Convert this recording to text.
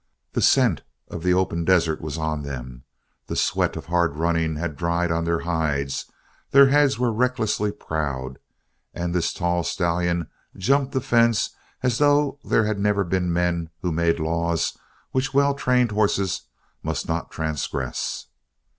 The scent of the open desert was on them, the sweat of hard running had dried on their hides, their heads were recklessly proud; and this tall stallion jumped the fence as though there had never been men who made laws which well trained horses must not transgress.